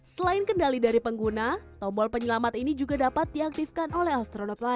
selain kendali dari pengguna tombol penyelamat ini juga dapat diaktifkan oleh astronot lain